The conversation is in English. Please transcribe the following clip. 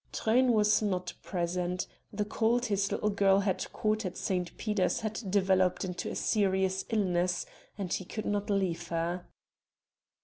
Truyn was not present; the cold his little girl had caught at St. Peter's had developed into a serious illness, and he could not leave her.